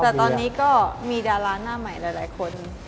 แต่ตอนนี้ก็มีดาราหน้าใหม่หลายคน